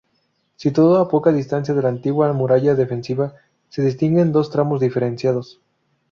Situada a poca distancia de la antigua muralla defensiva, se distinguen dos tramos diferenciados.